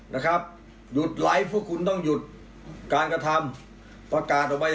นั่นไง